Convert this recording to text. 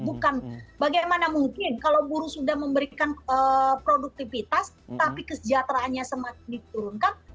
bukan bagaimana mungkin kalau buruh sudah memberikan produktivitas tapi kesejahteraannya semakin diturunkan